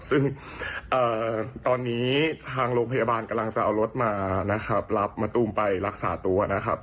ซึ่งตอนนี้ทางโรงพยาบาลกำลังจะเอารถมานะครับรับมะตูมไปรักษาตัวนะครับ